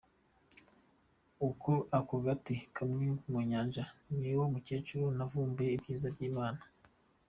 Ako gati kamwe mu Nyanja, ni uwo mukecuru navumbye ibyiza by’Imana.